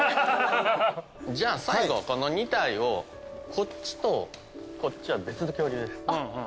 じゃあ最後この２体を。こっちとこっちは別の恐竜です。